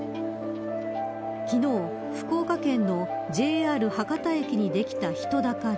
昨日、福岡県のＪＲ博多駅にできた人だかり。